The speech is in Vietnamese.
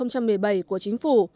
năm hai nghìn một mươi bảy của chính phủ